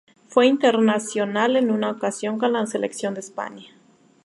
Fue internacional en una ocasión con la selección de España.